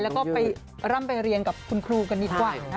แล้วก็ไปร่ำไปเรียนกับคุณครูกันดีกว่านะคะ